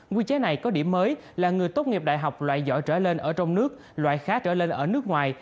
quy chế này có điểm mới là người tốt nghiệp đại học loại giỏi trở lên ở trong nước loại khá trở lên ở nước ngoài